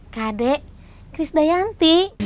kade kris dayanti